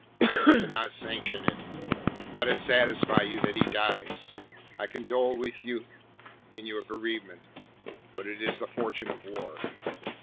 "I cannot sanction it. Let it satisfy you that he dies. I condole with you in your bereavement, but it is the fortune of war.